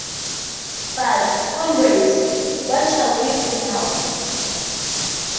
But, comrades, what shall we do now?